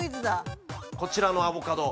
◆こちらのアボカド